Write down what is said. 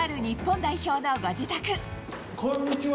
こんにちは。